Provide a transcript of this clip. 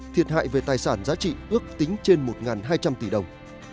thiệt hại về tài sản giá trị ước tính trên một hai trăm linh tỷ đồng